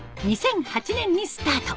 ２００８年にスタート。